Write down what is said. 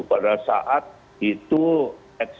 pada saat itu eksiden